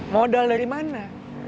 modal dari mana